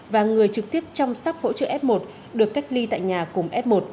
và người trực tiếp trong sắc hỗ trợ f một được cách ly tại nhà cùng f một